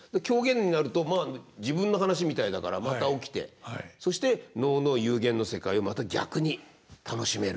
狂言になるとまあ自分の話みたいだからまた起きてそして能の幽玄の世界をまた逆に楽しめる。